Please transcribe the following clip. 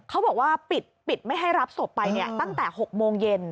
เขาบอกว่าปิดไม่ให้รับศพไปตั้งแต่๖โมงเย็น